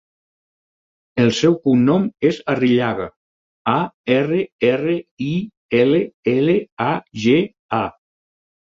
El seu cognom és Arrillaga: a, erra, erra, i, ela, ela, a, ge, a.